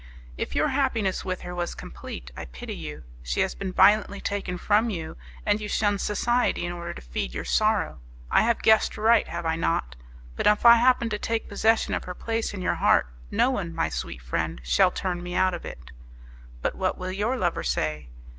"If your happiness with her was complete, I pity you. She has been violently taken from you, and you shun society in order to feed your sorrow. I have guessed right, have I not? But if I happen to take possession of her place in your heart, no one, my sweet friend, shall turn me out of it." "But what will your lover say?"